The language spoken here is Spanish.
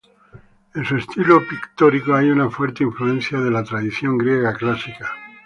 En su estilo pictórico hay una fuerte influencia de la tradición griega clásica.